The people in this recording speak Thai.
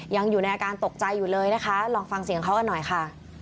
ยังอยู่ในอาการตกใจอยู่เลยนะคะลองฟังเสียงเขากันหน่อยค่ะ